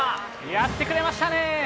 やってくれましたね。